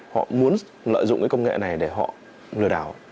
họ muốn lợi dụng cái công nghệ này để họ lừa đảo